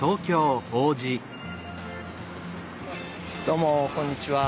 どうもこんにちは。